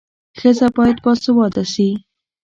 ښځه باید باسواده سي.